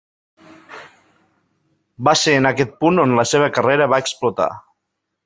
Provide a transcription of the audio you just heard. Va ser en aquest punt on la seva carrera va explotar.